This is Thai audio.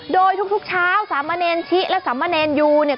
โดยทุกเช้าสามะเนรชิและสามเณรยูเนี่ย